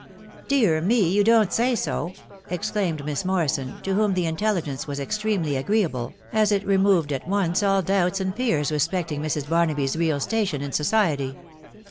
" Dear me ! you don't say so !" exclaimed Miss Morrison, to whom the intelligence was extremely agreeable, as it re moved at once all doubts and fears respecting Mrs. Barnaby's real station in society.